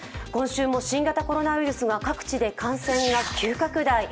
今週も新型コロナウイルスが各地で感染が急拡大。